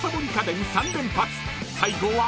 ［最後は？］